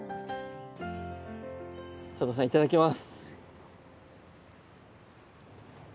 佐藤さんいただきます！